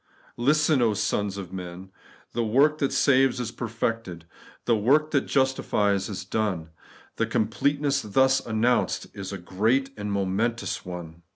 Listen, sons of men ! The work that saves is perfected. The work that justifies is done. The completeness thus announced is a great and momentous one.